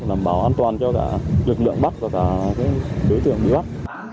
làm bảo an toàn cho cả lực lượng bắt và cả đối tượng bị bắt